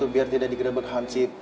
biar tidak digerbek hansip